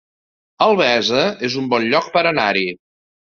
Albesa es un bon lloc per anar-hi